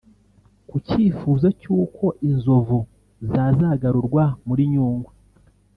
Ku cyifuzo cy’uko inzovu zazagarurwa muri Nyungwe